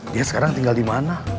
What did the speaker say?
dia sekarang tinggal dimana